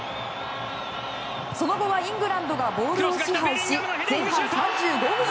その後はイングランドがボールを支配し前半３５分。